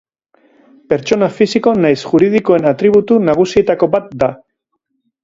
Pertsona fisiko nahiz juridikoen atributu nagusietako bat da.